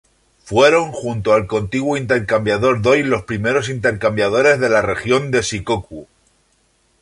Fueron junto al contiguo Intercambiador Doi los primeros intercambiadores de la Región de Shikoku.